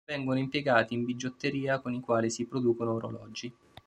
Vengono impiegati in bigiotteria con i quali si producono orologi.